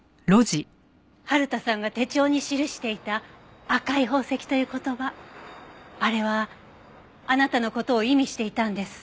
春田さんが手帳に記していた「赤い宝石」という言葉あれはあなたの事を意味していたんです。